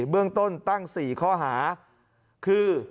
เบื้องต้นตั้ง๔ข้อหาคือ